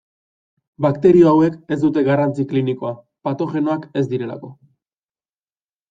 Bakterio hauek ez dute garrantzi klinikoa, patogenoak ez direlako.